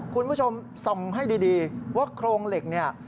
คุณผู้ชมส่องให้ดีว่าโครงเหล็กเนี่ย